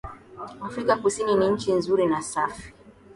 Afrika Kusini ni nchi nzuri na safi